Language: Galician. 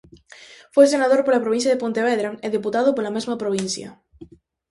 Foi senador pola provincia de Pontevedra e deputado pola mesma provincia.